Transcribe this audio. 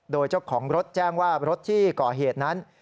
โดยเจ้าของรถแจ้งว่ารถที่ก่อเหตุนั้น